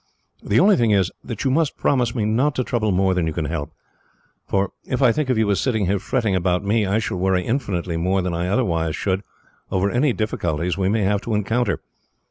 The only thing is, that you must promise me not to trouble more than you can help; for if I think of you as sitting here fretting about me, I shall worry infinitely more than I otherwise should over any difficulties we may have to encounter.